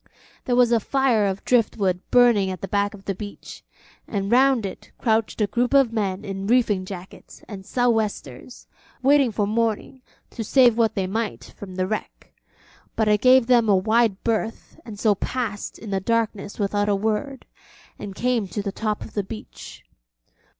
There was a fire of driftwood burning at the back of the beach, and round it crouched a group of men in reefing jackets and sou'westers waiting for morning to save what they might from the wreck; but I gave them a wide berth and so passed in the darkness without a word, and came to the top of the beach.